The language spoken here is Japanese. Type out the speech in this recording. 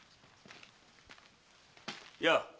やあ！